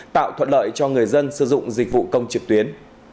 tạo thuận lợi cho người dân sử dụng dịch vụ công trực tuyến